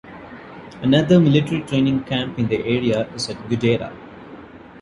Another military training camp in the area is at Guedera.